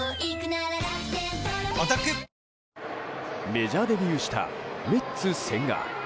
メジャーデビューしたメッツ千賀。